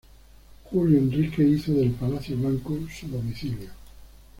Julio Enrique hizo del Palacio Blanco su domicilio.